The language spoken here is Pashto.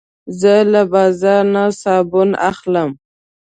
زه له بازار نه صابون اخلم.